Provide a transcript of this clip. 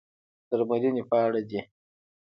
درملنې په اړه دي.